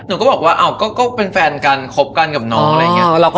เมื่อกันเราก็ของลงมันก็เป็นโชคเล่นเข้ามาบอกเลยแฟนกัน